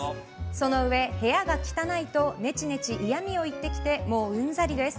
そのうえ、部屋が汚いとネチネチ嫌味を言ってきてうんざりです。